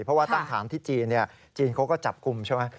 เพราะว่าตั้งฐานที่จีนจีนเขาก็จับกลุ่มใช่ไหม